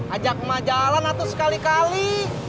ajak majalan atuh sekali kali